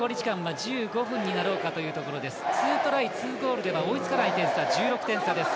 ２トライ２ゴールでは追いつかない点差、１６点差です。